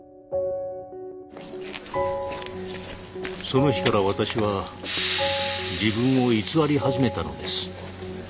その日から私は自分を偽り始めたのです。